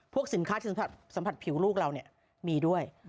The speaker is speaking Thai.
พวกสินค้าที่สัมผัสผิวลูกเรานี่มีด้วย